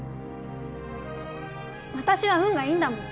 私は運がいいんだもん